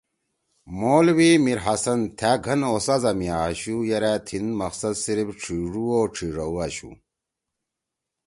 مولوی میرحسن تھأ گھن اُستاذا می آشُو یرأ تھیِن مقصد صرف چھیِڙُو او چھیِڙؤ آشُو